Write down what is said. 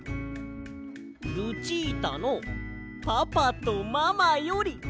「ルチータのパパとママより」。